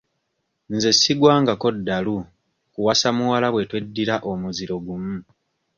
Nze sigwangako ddalu kuwasa muwala bwe tweddira muziro gumu.